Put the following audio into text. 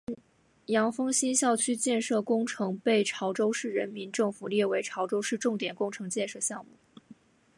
枫洋新校区建设工程被潮州市人民政府列为潮州市重点工程建设项目。